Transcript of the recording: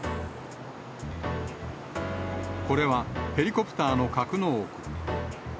これは、ヘリコプターの格納庫。